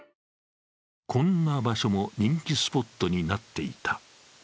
こんな場所も人気スポットになっていた。